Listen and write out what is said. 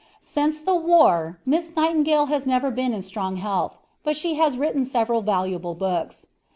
Since the war, Miss Nightingale has never been in strong health, but she has written several valuable books.